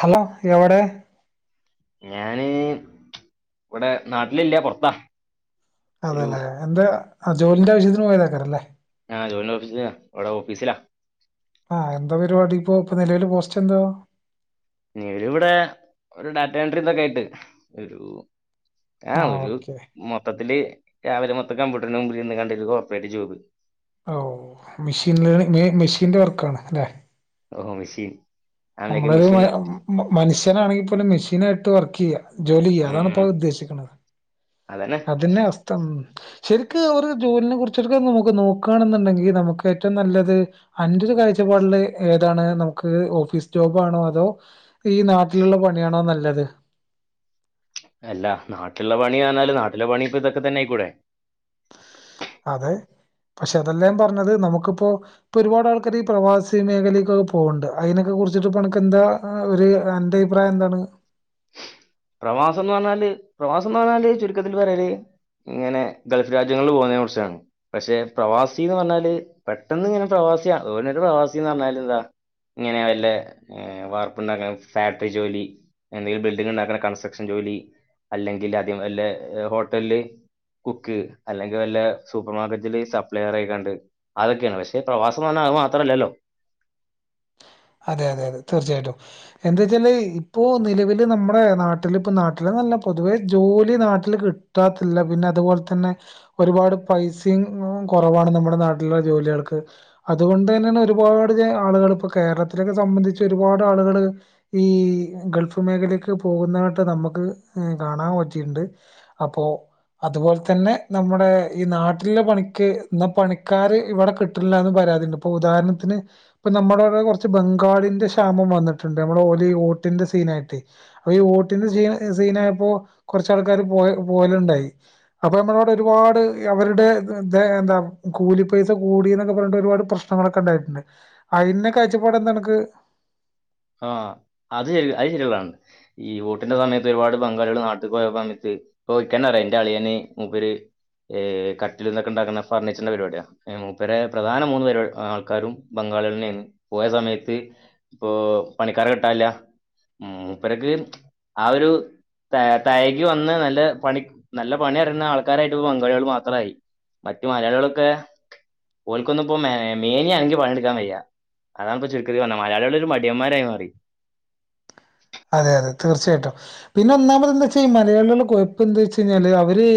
Hello എവിടെ ഞാന് ഇവിടെ നാട്ടിലില്ല പൊറത്താ അതെല്ലേ എന്താ ജോലിന്റെ ആവശ്യത്തിന് പോയതാക്കാരം ല്ലേ ആഹ് ജോലിന്റെ ഓഫീസ് ലാ ഇവിടെ ഓഫീസിലാ ആഹ് എന്താ പരിപാടി ഇപ്പോ ഇപ്പ നിലവില് പോസ്റ്റ് എന്താ നിലവിൽ ഇവിടെ ഒരു ഡാറ്റ എൻട്രി ഇതൊക്കെ ആയിട്ട് ഒരു ആ ആഹ് ഒരു ഓക്കെ മൊത്തത്തില് രാവിലെ മൊത്തം കമ്പ്യൂട്ടർന് മുമ്പിലിര്ന്ന്ങ്ങാട് ഒര് കോപ്രറേറ്റ് ജോബ് ഓ മിഷനീല് മിഷിന്റെ വർക്കാണ് ലേ ഓ മെഷീൻ അതിലേക്ക് നമ്മള് മെഷീൻ ഉണ്ടാവും മനുഷ്യനാണെങ്കി പോലും മെഷീനായിട്ട് വർക്കെയ്യാ ജോലില്ലാ അതാണ് ഇപ്പോ ഉം. ഉദ്ദേശിക്കണത് അതന്നെ അതന്നെ അസ്ഥ ഉം ശരിക്ക് അവറ് ജോലിനെ കുറിച്ച് എടുക്കാ നമുക്ക് നോക്കുവാണെന്നുണ്ടെങ്കി നമുക്ക് ഏറ്റവും നല്ലത് അന്റൊരു കാഴ്ചപ്പാടില് ഏതാണ് നമുക്ക് ഓഫീസ് ജോബാണോ അതോ ഈ നാട്ടിലുള്ള പണിയാണോ നല്ലത് അല്ല നാട്ടിലുള്ള പണിയാന്നാല് നാട്ടിലെ പണി ഇപ്പ ഇതൊക്കെ തന്നെ ആയിക്കൂടെ അതെ പക്ഷെ അതല്ലാ ഞാൻ പറഞ്ഞത് നമുക്കിപ്പോ ഇപ്പൊ ഒരുപാട് ആൾക്കാര് ഈ പ്രവാസി മേഖലയിലേക്കൊക്കെ പോവണ്ട് അയിനൊക്കെ കുറിച്ചിട്ട് ഇപ്പനക്ക് എന്താ ആഹ് ഒരു അന്റെ അഭിപ്രായം എന്താണ് പ്രവാസംന്ന് പറഞ്ഞാല് പ്രവാസംന്ന് പറഞ്ഞാല് ചുരുക്കത്തിൽ പറയല് ഇങ്ങനെ ഗൾഫ് രാജ്യങ്ങളിൽ പോന്നെ കുറിച്ചാണ് പക്ഷെ പ്രവാസീന്ന് പറഞ്ഞാല് പെട്ടെന്ന് ഇങ്ങനെ പ്രവാസിയാണ് ഓനൊരു പ്രവാസിന്ന് പറഞ്ഞാല് ഇതാ ഇങ്ങനെ വല്ലേ ഏ വാർപ്പുണ്ടാക്കാൻ ഫാക്ടറി ജോലി എന്തെങ്കിലും ബിൽഡിംഗ് ഇണ്ടാക്ക്ണ കൺസ്ട്രക്ഷൻ ജോലി അല്ലെങ്കിൽ ആദ്യം വല്ല ഹോട്ടലില് കുക്ക് അല്ലെങ്കി വല്ല സൂപ്പർ മാർക്കറ്റില് സപ്ലയർ ആയിക്കാണ്ട് അതൊക്കെയാണ് പക്ഷേ പ്രവാസം പറഞ്ഞാ അത് മാത്ര അല്ലല്ലോ അതെ അതെ അതെ തീർച്ചയായിട്ടും എന്താ വച്ചാല് ഇപ്പോ നിലവില് നമ്മുടെ നാട്ടിൽ ഇപ്പൊ നാട്ടില്ന്നല്ല പൊതുവേ ജോലി നാട്ടില് ക് കിട്ടാത്തില്ല പിന്നെ അതുപോലെ തന്നെ ഒരുപാട് പൈസയും കുറവാണ് നമ്മുടെ നാട്ടിലുള്ള ജോലികൾക്ക് അതുകൊണ്ട് തന്നെയാണ് ഒരുപാട് ആളുകൾ ഇപ്പൊ കേരളത്തിലൊക്കെ സംബന്ധിച്ച് ഒരുപാട് ആളുകള് ഈ ഗൾഫ് മേഖലക്ക് പോകുന്നവട്ട് നമുക്ക് ഏ കാണാൻ പറ്റിയിണ്ട് അപ്പോ അതുപോലെ തന്നെ നമ്മുടെ ഈ നാട്ടിലെ പണിക്ക് ഇന്ന് പണിക്കാര് ഇവിടെ കിട്ടില്ലാന്ന് പരാതിണ്ട് ഇപ്പൊ ഉദാഹരണത്തിന് ഇപ്പ നമ്മുടെ അവിടെ കൊറ ച്ച് ബംഗാളിന്റെ ക്ഷാമം വന്നിട്ടുണ്ട് നമ്മള് ഓലെ ഈ ഓട്ടിന്റെ സീനായിട്ട് അപ്പൊ ഈ ഓട്ടിന്റെ സീ സീനായപ്പോ കൊറച്ചാൾക്കാര് പോയ പോയലുണ്ടായി അപ്പൊ നമ്മളവിടെ ഒരുപാട് അവരുടെ ദെ എന്താ കൂലിപ്പൈസ കൂടീന്നൊക്കെ പറഞ്ഞിട്ട് ഒരുപാട് പ്രശ് പ്രശ്നങ്ങളൊക്കെ ഉണ്ടായിട്ടുണ്ട് അയിന്നെ കാഴ്ചപ്പാട് എന്താ അനക്ക് ആഹ് അത് ശെരി അത് [unintelligible] ഈ ഓട്ടിന്റെ സമയത്ത് ഒരുപാട് ബംഗാളികൾ നാട്ടിപ്പോയ സമയത്ത് ഇപ്പൊ ഇക്കന്നറിയാം ഇന്റളിയന് മൂപ്പര് ഏഹ് കട്ടിൽ ഇതൊക്കെ ഉണ്ടാക്കുന്ന ഫർണീച്ചറിന്റെ പരിപാടിയാ മൂപ്പരെ പ്രധാന മൂന്ന് പരിപ ആൾക്കാരും ബംഗാളികളന്നെയാണ് പോയ സമയത്ത് ഇപ്പൊ പണിക്കാരെ കിട്ടാനില്ല മൂപ്പർക്ക് ആഹ് ഒരു തെ തയകി വന്ന് നല്ല പണി നല്ല പണി അറിയുന്ന ആൾക്കാരായിട്ട് ബംഗാളികള് മാത്രായി മറ്റു മലയാളികളൊക്കെ ഓൽക്കൊന്നും ഇപ്പോ മെ മേനിയനങ്ങി പണി എടുക്കാൻ വയ്യ അതാണ് ഇപ്പൊ ചുരുക്കത്തി പറഞ്ഞ മലയാളികളൊരു മടിയന്മാരായി മാറി അതെ അതെ തീർച്ചയായിട്ടും പിന്നെ ഒന്നാമത് എന്താ വെച്ച ഈ മലയാളികളെ കൊഴപ്പ എന്താ വെച്ച് കഴിഞ്ഞാല് അവര്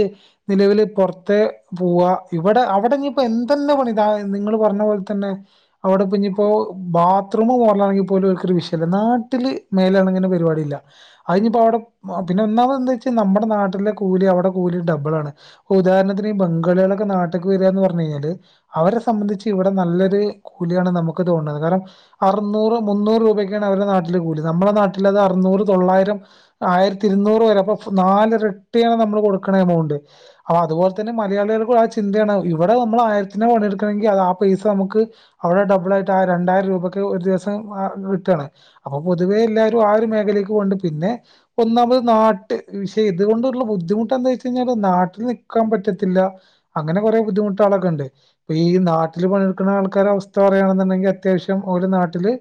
നിലവില് പുറത്തെ പോവാ ഇവിടെ അവിടെനിയിപ്പോ എന്തെല്ലാ പണിതാ നിങ്ങള് പറഞ്ഞ പോല തന്നെ അവിടെ ഇനിയിപ്പോ ബാത്റൂമ് മോറലാണെങ്കി പോലും ഓൽക്കൊരു വിഷയില്ല നാട്ടില് മേലാണങ്ങി പരിപാടി ഇല്ല അയിഞ്ഞിപ്പോ അവിടെ പിന്നെ ഒന്നാമത് എന്താ വെച്ചാ നമ്മുടെ നാട്ടിലെ കൂലി അവിടെ കൂലി ഡബിൾ ആണ് ഉദാരണത്തിന് ഈ ബംഗാളികളൊക്കെ നാട്ടിക്ക് വരാന്ന് പറഞ്ഞ് കഴിഞ്ഞാല് അവരെ സംബന്ധിച്ച് ഇവിടെ നല്ലൊരു കൂലിയാണ് നമുക്ക് തോണത് കാരണം അറുന്നൂറ് മുന്നൂറ് രൂപക്കാണ് അവരുടെ നാട്ടില് കൂലി നമ്മളെ നാട്ടില അത് അറുന്നൂറ് തൊള്ളായിരം ആയിരത്തിരുന്നൂറ് വരെ അപ്പൊ നാല് ഇരട്ടിയാണ് നമ്മള് കൊടുക്കണ എമൗണ്ട് അപ്പൊ അതുപോലെ തന്നെ മലയാളികൾക്കും ആ ചിന്തയാണ് ഇവിടെ നമ്മൾ ആയിരത്തിന് പണിയെടുക്കണെങ്കി അത് ആ പൈസ നമുക്ക് അവിടെ ഡബിൾ ആയിട്ട് ആ രണ്ടായിരം രൂപക്ക് ഒരു ദിവസം കിട്ടുവാണ് അപ്പൊ പൊതുവേ എല്ലാ രും ആ ഒരു മേഖലക്ക് പോണ്ട് പിന്നെ ഒന്നാമത് നാട്ട് പക്ഷെ ഇതുകൊണ്ടുള്ള ബുദ്ധിമുട്ട് എന്താ വെച്ച് കഴിഞ്ഞാല് നാട്ടിൽ നിൽക്കാൻ പറ്റത്തില്ല. അങ്ങനെ കുറെ ബുദ്ധിമുട്ടുകളൊക്കെ ഉണ്ട് ഇപ്പയീ നാട്ടില് പണിയെടുക്കണ ആൾക്കാര അവസ്ഥ പറയുകയാണെന്നുണ്ടെങ്കി അത്യാവശ്യം ഒാൽനാട്ടില്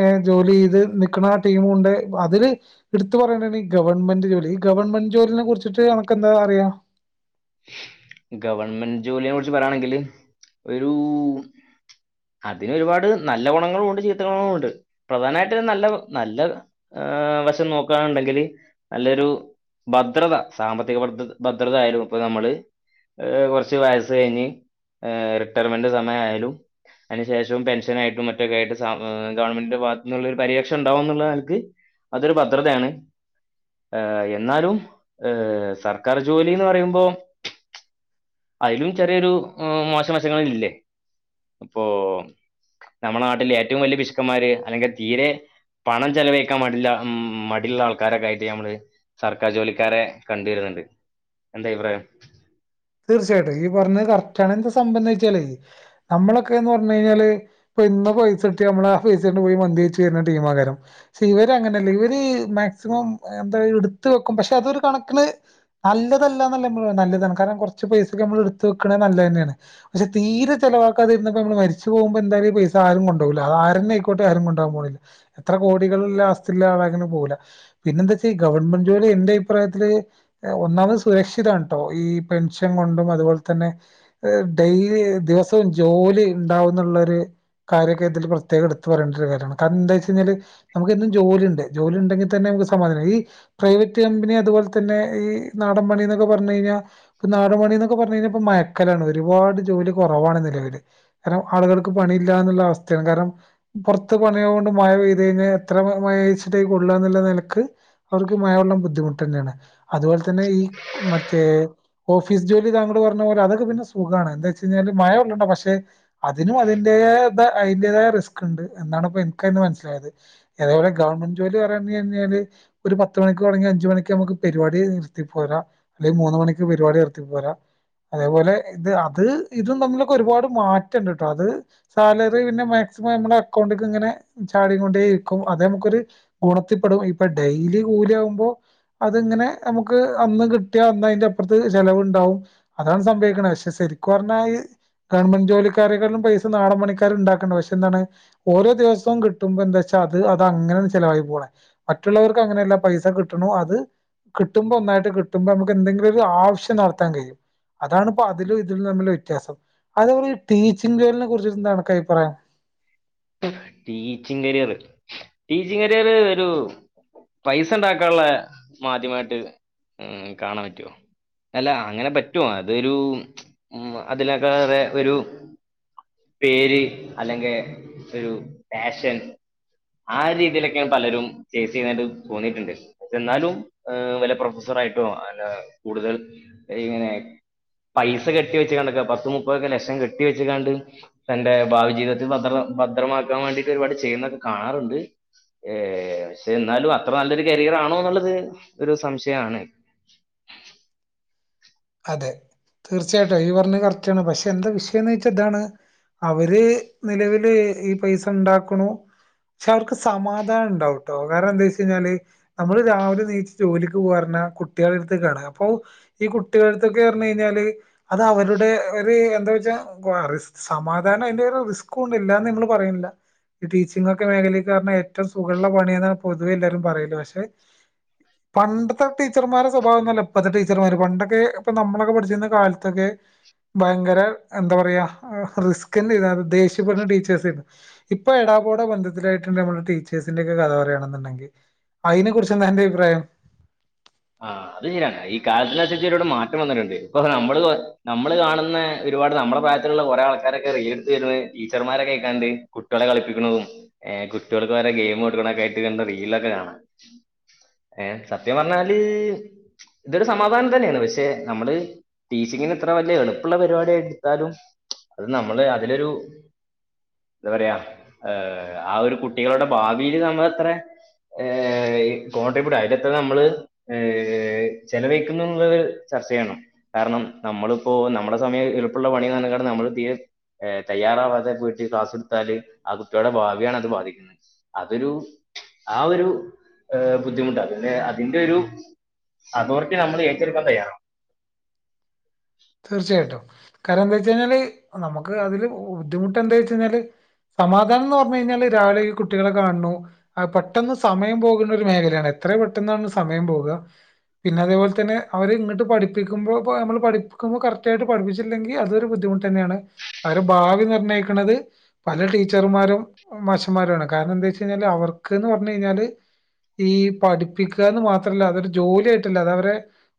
എ് ജോലീയ്ത് നിക്ക്ണാ ടീമുണ്ട് അതില് ഇടുത്ത് പറയണ്ടാണീ ഗവൺമെൻ്റ് ജോലി ഈ ഗവൺമെന്റ് ജോലിനെ കുറിച്ചിട്ട് അണക്കെന്താ അറിയാ? ഗവൺമെന്റ് ജോലിയെ കുറിച്ച് പറയാണെങ്കില് ഒരു അതിനൊരുപാട് നല്ല ഗുണങ്ങളുണ്ട് ചീത്ത ഗുണങ്ങളുണ്ട് പ്രധാനായിട്ട് നല്ല ഗ് നല്ല ഏ് വശം നോക്കാണെണ്ടെങ്കില് നല്ലൊരു ഭദ്രത സാമ്പത്തിക ഭർദത ഭദ്രത ആയാലും ഇപ്പൊ നമ്മള് ഏഹ് കൊറച്ച് വയസ്സ് കഴിഞ്ഞ് എ് റിട്ടയർമെന്റ് സമയയാലും അയിനുശേഷും പെൻഷനായിട്ടും മറ്റൊക്കെ ആയിട്ട് സാ എ് ഗവൺമെന്റിന്റെ ഭാഗത്തുന്നുള്ള ഒരു പരിരക്ഷ ഉണ്ടാവുന്നുള്ള നെലക്ക് അതൊരു ഭദ്രതാണ് ഏഹ് എന്നാലും ഏഹ് സർക്കാർ ജോലിന്ന് പറയുമ്പോ അയിലും ചെറിയൊരു എ് മോശവശങ്ങളില്ലേ അപ്പൊ ഞമ്മടെ നാട്ടില് ഏറ്റവും വല്ല്യ പിശുക്കന്മാര് അല്ലെങ്കിൽ തീരെ പണം ചെലവഴിക്കാൻ മടിള്ള മ് മടിള്ള ആൾക്കാരൊക്കെ ആയിട്ട് ഞമ്മള് സർക്കാർ ജോലിക്കാരെ കണ്ടുവരുന്നുണ്ട് എന്താ അഭിപ്രായം? തീർച്ചായിട്ടും ഈ പറഞ്ഞത് കറക്റ്റാണ് എന്താ സംഭം ന്നെച്ചാലേ നമ്മളൊക്കെന്ന് പറഞ്ഞഴിഞ്ഞാല് ഇപ്പൊ ഇന്ന് പൈസ കിട്ട്യാ മ്മള് ആ പൈസോണ്ട് പോയി മന്തി കയ്ച്ചു വരുന്ന ടീമാ കാരം ഇവര് അങ്ങനെല്ല ഇവര് മാക്സിമം എന്താ ഇടുത്ത് വെക്കും പക്ഷെ അതൊരു കണക്കിന് നല്ലതല്ലന്നല്ല മ്മള് പറയണ് നല്ലതാണ് കാരണം കൊറച്ച് പൈസൊക്കെ നമ്മള് ഇടുത്ത് വെക്കണ് നല്ലതന്നെയാണ്. പക്ഷെ തീരെ ചെലവാക്കാതിര്ന്ന്പ്പോ നമ്മള് മരിച്ചു പോവുമ്പോ എന്തായാലും ഈ പൈസ ആരും കൊണ്ടോകില്ല അതാരന്നെ ആയിക്കോട്ടെ ആരും കൊണ്ടവാൻ പോണില്ല എത്ര കോടികള് ഇള്ള ആസ്‌തിള്ള ആളായ്ക്ക്ന് പോവുല്ല പിന്നെന്താച്ചാ ഈ ഗവൺമെന്റ് ജോലി എന്റെ അഭിപ്രായത്തില് ഒന്നാമത് സുരക്ഷിതം ആണ് ട്ടോ ഈ പെൻഷൻ കൊണ്ടും അതുപോലെ തന്നെ എ് ഡെയ്ലി ദിവസവും ജോലി ഇണ്ടാവുന്നുള്ളൊര് കാര്യൊക്കെതില് പ്രത്യേക എടുത്ത് പറേണ്ട ഒരു കാര്യാണ് കാരണം എന്താച്ച് കഴിഞ്ഞാല് നമുക്ക് എന്നും ജോലി ഇണ്ട് ജോലി ഇണ്ടെങ്കി തന്നെ നമുക്ക് സമാധാന ഈ പ്രൈവറ്റ് കമ്പനി അതുപോലെ തന്നെ ഈ നാടൻ പണി എന്നൊക്കെ പറഞ്ഞു കഴിഞ്ഞാൽ ഇപ്പൊ നാടു പണിന്നൊക്കെ പറഞ്ഞ് കഴിഞ്ഞാ ഇപ്പോ മഴക്കാലാണ് ഒരുപാട് ജോലി കൊറവാണ് നിലവില്. ഇത്തരം ആളുകൾക്ക് പണി ഇല്ലാന്നുള്ള അവസ്ഥാണ് കാരണം പുറത്ത് പണി ആവോണ്ട് മഴ പെയ്ത് കഴിഞ്ഞാ എത്ര മഴായിച്ച്ട്ടാ ഈ കൊള്ള എന്നുള്ള നെലക്ക് അവർക്ക് മഴ കൊള്ളാൻ ബുദ്ധിമുട്ടെന്നെയാണ് അതുപോലെ തന്നെ ഈ മറ്റേ ഓഫീസ് ജോലി താങ്കള് പറഞ്ഞ പോലെ അതൊക്കെ പിന്നെ സുഖാണ് എന്താച്ച്ഴിഞ്ഞാല് മഴകൊള്ളണ്ട പക്ഷെ അതിനും അതിന്റെതായ ബ അയിൻ്റെതായ റിസ്ക് ഇണ്ട് എന്നാണ് ഇപ്പോ എനിക്കയ്ന്ന് മനസ്സിലായത്. അതേ പോലെ ഗവൺമെന്റ് ജോലി പറഞ്ഞ കഴിഞ്ഞാല് ഒരു പത്ത് മണിക്കൊടങ്ങങ്ക്യാ അഞ്ചുമണിക്ക് അമുക്ക് പരിപാടി നിർത്തി പോരാ അല്ലെങ്കി മൂന്ന് മണി ക്ക് പരിപാടി നിർത്തി പോരാ അതേപോലെ ഇത് അത് ഇതും തമ്മിലൊക്കെ ഒരുപാട് മാറ്റംണ്ട്ട്ടോ അത് സാലറി പിന്നെ മാക്സിമം നമ്മുടെ അക്കൗണ്ടിക്ക് ഇങ്ങനെ ചാടി കൊണ്ടേ ഇരിക്കും അതെമുക്കൊരു ഗുണത്തിപ്പെടും ഇപ്പൊ ഡെയിലി കൂലി ആവുമ്പോ അത് ഇങ്ങനെ അമുക്ക് അന്ന് കിട്ട്യാ അന്ന് അയിന്റെ അ പ്പറത്ത് ചെലവുണ്ടാവും അതാണ് സംഭവിക്കണെ പഷെ ശരിക്കു പറഞ്ഞാ ഈ ഗവൺമെന്റ് ജോലിക്കാരെകാട്ടിലും പൈസ നാടൻ പണിക്കാര് ഇണ്ടാക്കണ്ട് പക്ഷെന്താണ് ഓരോ ദിവസോം കിട്ടുമ്പോ എന്താച്ചാ അത് അത് അങ്ങനെണ് ചെലവായി പോണെ മറ്റുള്ളോർക്ക് അങ്ങനെല്ല പൈസ കിട്ടണു അത് കിട്ടുമ്പോ ഒന്നായിട്ട് കിട്ടുമ്പോ അമുക്ക് എന്തെങ്കിലും ഒരു ഒരാവിശ്യം നടത്താൻ കഴിയും അതാണിപ്പോ അതിലും ഇതിലും തമ്മിലുള്ള വ്യത്യാസം അത്പോലെ ഈ ടീ ച്ചിങ് ജോലീനെ കുറിച്ചിട്ടെന്താ നിനക്ക് അഭിപ്രായം ടീച്ചിങ് കരിയറ് ടീച്ചിങ് കരിയർ ഒരു പൈസ ഇണ്ടാക്കാള്ള മാധ്യമായിട്ട് ഇം കാണാൻ പറ്റോ അല്ല അങ്ങനെ പറ്റും അതൊരു ഉം അതിനേക്കാലേറെ ഒരു പേര് അല്ലെങ്കെ ഒരു പാഷൻ ആ രീതിയിലൊക്കെ പലരും ചേസ് ചെയ്ണായ്ട്ട് തോന്നിട്ടിണ്ട് എന്നാലും ഏഹ് വല്ല പ്രൊഫസർ ആയിട്ടൊ അല്ല കൂടുതൽ എഹ് ഇങ്ങനെ പൈസ കെട്ടി വെച്ചിങ്ങാണ്ടൊക്കെ പത്ത് മുപ്പതൊക്കെ ലക്ഷം കെട്ടി വെച്ചിങ്ങാണ്ട് തന്റെ ഭാവിജീവിതത്തിൽ ഭദ്ര ഭദ്രമാക്കാൻ വേണ്ടിട്ട് ഒരുപാട് ചെയ്യുന്നൊക്കെ കാണാറുണ്ട് ഏഹ് പക്ഷെ എന്നാലും അത്ര നല്ലൊരു കരിയർ ആണോ എന്നുള്ളത് ഒരു സംശയാണ് അതെ തീർച്ചയായിട്ടും ഈ പറഞ്ഞത് കറക്റ്റാണ് പക്ഷെ എന്താ വിഷയെന്ന് വച്ചാ ഇതാണ് അവര് നിലവില് ഈ പൈസ ഇണ്ടാക്കണു പക്ഷെ അവർക്ക് സമാധാനം ഇണ്ടാവുട്ടോ കാരണം എന്താ വെച്ച് കഴിഞ്ഞാല് നമ്മള് രാവിലെ എണീച്ചു ജോലിക്ക് പോവാ പറഞ്ഞാ കുട്ടികളടുത്തേക്കാണ് അപ്പൊ ഈ കു ട്ടികൾത്തോക്കെ പറഞ്ഞു കഴിഞ്ഞാല് അത് അവരുടെ ഒരു എന്താ വെച്ചാ ആഹ് റിസ് സമാധാനം അതിന്റെ ഒരു റിസ്ക്കുണ്ട് ഇല്ലാന്ന് ഞങ്ങള് പറയുന്നില്ല ഈ ടീച്ചിങ് ഒക്കെ മേഖലക്ക് പറഞ്ഞാ ഏറ്റവും സുഖള്ള പണി എന്നാണ് പൊതുവേ എല്ലാരും പറയല് പക്ഷെ പണ്ടത്തെ ടീച്ചർമാരെ സ്വഭാവൊന്നുവല്ല ഇപ്പത്തെ ടീച്ചർമാര് പണ്ട ക്കെ ഇപ്പ നമ്മളൊക്കെ പഠിച്ചിരുന്ന കാലത്തൊക്കെ ഭയങ്കര എന്താ പറയാ റിസ്‌ക്കിന്നെ [unintelligible] ദേഷ്യപ്പെടുന്ന ടീച്ചേഴ്സാരുന്നു ഇപ്പ എടാ പോട ബന്ധത്തിലായിട്ടിണ്ട് നമ്മുടെ ടീച്ചേഴ്സിന്റെ ഒക്കെ കഥ പറയാണെന്നെണ്ടങ്കി അയിനെ കുറിച്ചെന്താ അന്റെ അഭിപ്രായം ആഹ അത് ശരിയാണ് ഈ കാലത്തിനനുസരിച്ച് ഒരുപാട് മാറ്റം വന്നിട്ടെണ്ട് ഇപ്പൊ നമ്മള് നമ്മള് കാണുന്നെ ഒരുപാട് നമ്മടെ പ്രായത്തിലുള്ള കൊറേ ആൾക്കാരൊക്കെ റീൽസ് ഇടുന്ന് ടീച്ചർമാരൊക്കെ ആയിക്കാണ്ട് കുട്ടികളെ കളിപ്പിക്കുന്നതും ഏഹ് കുട്ടികൾക്ക് വരെ ഗെയിം കൊടുക്കണൊക്കെ ആയിട്ട് കണ്ട റീലിലൊക്കെ കാണാ- ഏഹ് സത്യം പറഞ്ഞാല് ഇതൊരു സമാധാനം തന്നെയാണ് പക്ഷെ നമ്മള് ടീച്ചിങ്ങിന് ഇത്ര വലിയ എളുപ്പുള്ള പരിപാടി എടുത്താലും അത് നമ്മള് അതിലൊരു എന്താ പറയാ എഹ് ആ ഒരു കുട്ടികളുടെ ഭാവില് നമ്മൾ അത്രെ ഏഹ് ഈ കോൺട്രിബ്യുട്ട് അയിലത്ര നമ്മള് ഏഹ് ചെലവഴിക്കുന്നൂന്നുള്ളത് ചർച്ചേയ്യണം കാരണം നമ്മളിപ്പോ നമ്മുടെ സമയം എളുപ്പമുള്ള പണിന്ന് പറഞ്ഞ്ക്കാണ്ട് നമ്മള് തീരെ എഹ് തയ്യാറാവാതെ പോയിട്ട് ക്ലാസ്സ്‌ ഇട്ത്താല് ആ കുട്ട്യാളുടെ ഭാവിയാണ് അത് ബാധിക്കുന്നത് അതൊരു ആ ഒരു അഹ് ബുദ്ധിമുട്ട് അതിലെ അതിന്റെ ഒരു അതോറിറ്റി നമ്മളേറ്റെടുക്കാൻ തയ്യാറാവണം തീർച്ചയായിട്ടും കാരണം എന്താ വെച്ച് കഴിഞ്ഞാല് നമുക്ക് അതില് ബുദ്ധിമുട്ട് എന്താ വെച്ച് കഴിഞ്ഞാല് സമാധാനം എന്ന് പറഞ്ഞു കഴിഞ്ഞാല് രാവിലെ ഈ കുട്ടികളെ കാണുന്നു അഹ് പെട്ടെന്ന് സമയം പോക്ണ ഒരു മേഖലയാണ് എത്ര പെട്ടെന്നാണ് സമയം പോവുക പിന്നെ അതേപോലെ തന്നെ അവര് ഇങ്ങട്ട് പഠിപ്പിക്കുമ്പോ ഇപ്പൊ നമ്മള് പഠി ക്കുമ്പോ കറക്റ്റ് ആയിട്ട് പഠിപ്പിച്ചില്ലെങ്കിൽ അതൊരു ബുദ്ധിമുട്ട് തന്നെയാണ് അവരെ ഭാവി നിർണ്ണയിക്കണത് പല ടീച്ചർമാരും മാശന്മാരുമാണ് കാരണം എന്താ വെച്ച് കഴിഞ്ഞാല് അവർക്ക്ന്ന് പറഞ്ഞ് കഴിഞ്ഞാല് ഈ പഠിപ്പിക്കുകാന്ന് മാത്രല്ല അതോരു ജോലി ആയിട്ടല്ല അത് അവരെ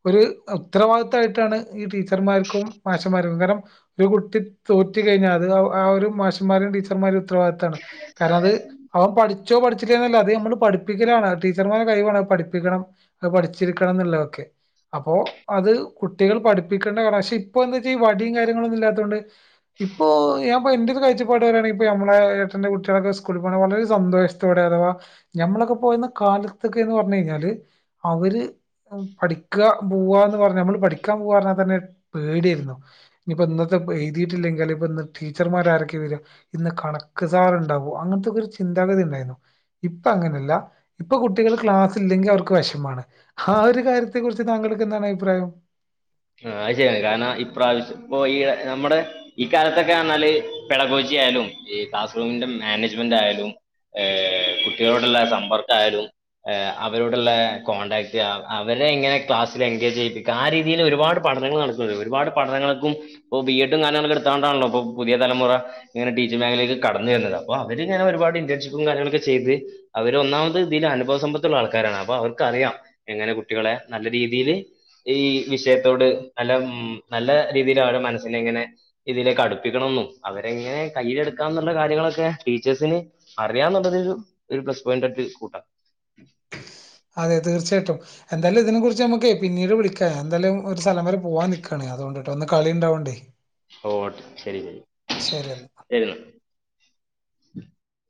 ഒരു ഉത്തരവാദിത്തമായിട്ടാണ് ഈ ടീച്ചർമ്മാർക്കും മാഷമ്മാർക്കും കാരണം ഒരു കുട്ടി തോറ്റ് കഴിഞ്ഞാൽ അത് ആ ഒരു മാഷമ്മാരെയും ടീച്ചർമാരേം ഉത്തരവാദിത്താണ് കാരണം അത് അവൻ പഠിച്ചോ പഠിച്ചില്ലേന്നല്ല അത് നമ്മള് പഠിപ്പിക്കലാണ് ടീച്ചർമാരെ കഴിവാണ് പഠിപ്പിക്കണം അത് പഠിച്ചിരിക്കണം എന്നുള്ളതൊക്കെ അപ്പോ അത് കുട്ടികൾ പഠി പ്പിക്കേണ്ട [unintelligible] പക്ഷെ ഇപ്പൊ എന്താച്ചാ വടിം കാര്യങ്ങളൊന്നും ഇല്ലാത്തോണ്ട് ഇപ്പോ ഞാൻപ്പൊ എന്റെ ഒരു കാഴച്ചപ്പാട് പറയാണെങ്കി ഇപ്പോ നമ്മളെ ഏട്ടന്റെ കുട്ടികളൊക്കെ സ്കൂൾ പോക്ണെ വളരെ സന്തോഷ ത്തോടെ അഥവാ ഞമ്മളൊക്കെ പോയിന്ന കാലത്തൊക്കെ എന്ന് പറഞ്ഞു കഴിഞ്ഞാല് അവര് പഠിക്കാ പോവാ എന്ന് പറഞ്ഞു നമ്മള് പഠിക്കാൻ പോവാറഞ്ഞാ ഇപ്പന്നെ പേടിണ്ടോ ഇനിപ്പോ ഇന്നത്തെ എഴ്തീട്ടില്ലെങ്കി ഇപ്പ ഇന്ന് ടീച്ചറ്മാരാരോക്കെ വെരാ ഇന്ന് കണക്ക് സാറ്ണ്ടാവോ അങ്ങനത്തെക്കോരു ചിന്താഗതി ഇണ്ടായിന്നു ഇപ്പ അങ്ങനെല്ല ഇപ്പൊ കുട്ടികൾ ക്ലാസ് ഇല്ലെങ്കിൽ അവർക്ക് വേഷമാണ് ആ ഒരു കാര്യ ത്തെ കുറിച്ച് താങ്ങൾക്ക് എന്താണ് അഭിപ്രായം ആഹ് അത് ശരിയാണ് കാരണം ഇപ്രാവ ഇപ്പൊ ഈ നമ്മടെ ഇകാലത്തൊക്കെറ്ഞ്ഞാല് പെടഗോച്ചിയായാലും ഈ ക്ലാസ്റൂമിന്റെ മാനേജ്മെന്റായാലും- ഏഹ് കുട്ടികളോട്ള്ള സമ്പർക്കായാലും ഏ അവരോടുള്ള കോൺടാക്ട് അവ അവരെ എങ്ങനെ ക്ലാസ്സിൽ എൻഗേജ് ചെയ്യിപ്പിക്കാ ആ രീ തീല് ഒരുപാട് പഠനങ്ങള് നടക്ക്ണ്ട് ഒര്പാട് പഠനങ്ങൾക്കും ഇപ്പോ ബിഎഡും [unintelligible] ഇട്ത്താണ്ടാണല്ലോ ഇപ്പൊ പുതിയ തലമുറ ഇങ്ങെനെ ടീച്ചിങ് മേഖലേക്ക് കടന്ന് വര്ന്നതാ അപ്പോ അവര്ങ്ങെനെ ഒരുപാട് ഇന്റേൺഷിപ്പും കാര്യങ്ങളൊക്കെ ചെയ്ത് അവര് ഒന്നാമത് ഇതില് അനുഭവ സമ്പത്ത്ള്ള ആള്ക്കാരാണ് അപ്പൊ അവർക്കറിയാം എങ്ങനെ കുട്ടികളെ നല്ല രീതീല് ഈ വിഷയത്തോട് നല്ല ഉം നല്ല രീതീല് അവരെ മനസ്സിനെങ്ങനെ ഇതിലേക്ക് അട്പ്പിക്കണന്നും അവരെങ്ങനെ കയ്യിലെട്ക്കാന്ന്ള്ള കാര്യങ്ങളൊക്കെ ടീച്ചേഴ്സിന് അറിയാന്ന്ള്ളതൊരു ഒരു പ്ലസ് പോയിന്റായിട്ട് കൂട്ടാ അതെ തീർച്ചയായിട്ടും എന്തായാലും ഇതിനെ കുറിച്ചേ ഞമ്മക്കേ പിന്നീട് വിളിക്കാ ഞാൻ എന്താലും ഒരു സ്ഥലം വരെ പോവാൻ നിക്കാണെ അതോണ്ട്ട്ടോ ഇന്ന് കളിണ്ടാവൊണ്ടേ ഓവാട്ട് ശെരി ശരിയെന്നാ ശെരിന്നാ